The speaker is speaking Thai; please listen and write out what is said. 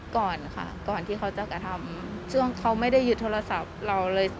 ก่อนค่ะก่อนที่เขาจะกระทำช่วงเขาไม่ได้หยุดโทรศัพท์เราเลย